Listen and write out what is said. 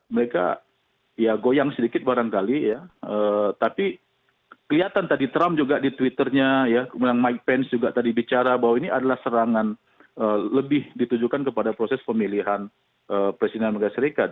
mereka ya goyang sedikit barangkali ya tapi kelihatan tadi trump juga di twitternya ya mike pence juga tadi bicara bahwa ini adalah serangan lebih ditujukan kepada proses pemilihan presiden amerika serikat